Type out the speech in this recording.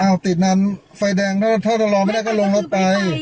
อ้าวติดนานไฟแดงถ้าเรารอไม่ได้ก็ลงรถไป